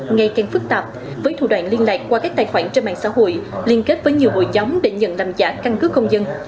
ngày càng phức tạp với thủ đoạn liên lạc qua các tài khoản trên mạng xã hội liên kết với nhiều hội chống để nhận làm giả căn cứ công dân